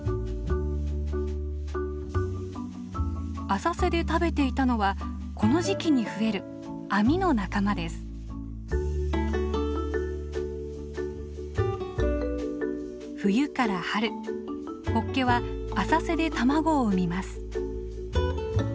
浅瀬で食べていたのはこの時期に増える冬から春ホッケは浅瀬で卵を産みます。